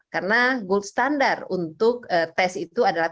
karena gold standar untuk tes itu adalah